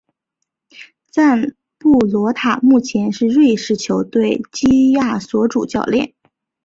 赞布罗塔目前是瑞士球队基亚索主教练。